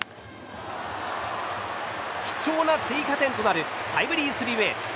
貴重な追加点となるタイムリースリーベース。